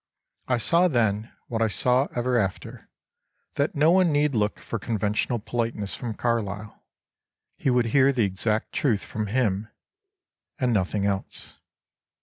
I saw then what I saw ever after that no one need look for conventional politeness from Carlyle he would hear the exact truth from him and nothing else."